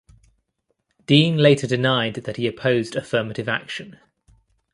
Dean later denied that he opposed affirmative action.